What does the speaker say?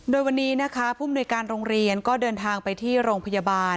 โดยวันนี้นะคะผู้มนุยการโรงเรียนก็เดินทางไปที่โรงพยาบาล